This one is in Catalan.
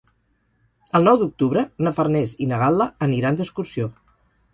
El nou d'octubre na Farners i na Gal·la aniran d'excursió.